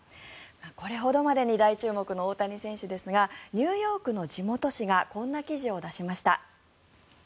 これほどまでに大注目の大谷選手ですがニューヨークの地元紙がこんな記事を出しました。